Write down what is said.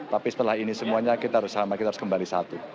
tapi setelah ini semuanya kita sama kita harus kembali satu